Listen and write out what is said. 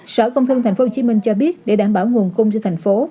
sở công thương tp hcm cho biết để đảm bảo nguồn cung cho thành phố